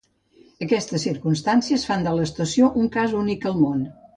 Aquestes circumstàncies fan de l'estació un cas únic al món.